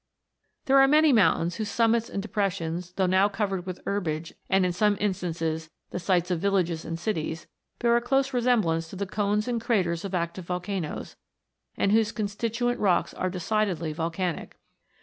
There are many mountains whose summits and depressions, though now covered with herbage, and, in some instances, the sites of villages and cities, bear a close resemblance to the cones and craters of active volcanoes ; and whose constituent rocks are decidedly volcanic.